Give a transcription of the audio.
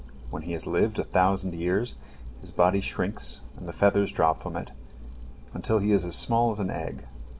When he has lived a thousand years, his body shrinks, and the feathers drop from it, until he is as small as an egg.